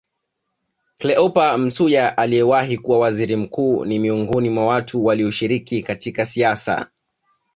Cleopa Msuya aliyewahi kuwa Waziri Mkuu ni miongoni wa watu walioshiriki katika siasa